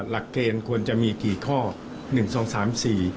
หลักเกณฑ์ควรจะมีกี่ข้อหนึ่งสองสามสี่